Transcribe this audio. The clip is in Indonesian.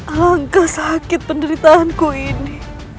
alangkah sakit penderitaanku ini